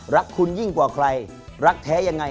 รักคุณยิ่งกว่าใครรักแท้ยังไง